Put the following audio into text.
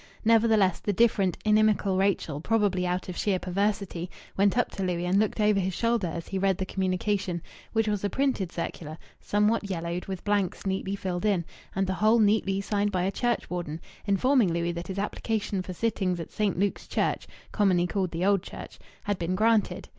Nevertheless, the different, inimical Rachel, probably out of sheer perversity, went up to Louis and looked over his shoulder as he read the communication, which was a printed circular, somewhat yellowed, with blanks neatly filled in, and the whole neatly signed by a churchwarden, informing Louis that his application for sittings at St. Luke's Church (commonly called the Old Church) had been granted.